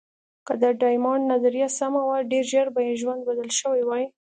که د ډایمونډ نظریه سمه وه، ډېر ژر به یې ژوند بدل شوی وای.